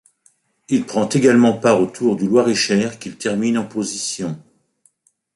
Il prend également part au Tour du Loir-et-Cher, qu'il termine en position.